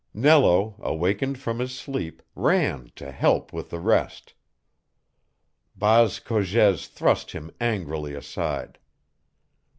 Nello, awakened from his sleep, ran to help with the rest: Baas Cogez thrust him angrily aside.